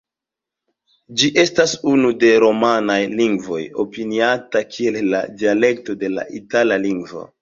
Ĝi estas unu de romanaj lingvoj opiniata kiel la dialekto de la itala lingvo.